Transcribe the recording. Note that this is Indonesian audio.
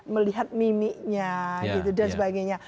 melihat mimiknya gitu dan sebagainya